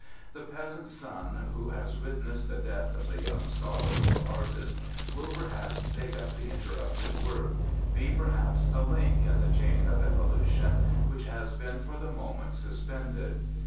The peasant's son who has wit nessed the death of the young scholar or artist will perhaps take up the interrupted work, be perhaps a link in the chain of evolution which has been for the moment suspended.